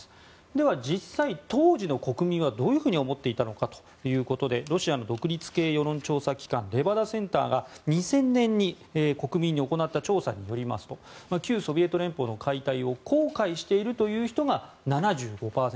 では、実際、当時の国民はどういうふうに思っていたのかということでロシアの独立系世論調査機関レバダセンターが２０００年に国民に行った調査によりますと旧ソビエト連邦の解体を後悔しているという人が７５％。